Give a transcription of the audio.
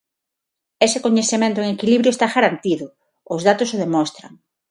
Ese coñecemento en equilibrio está garantido, os datos o demostran.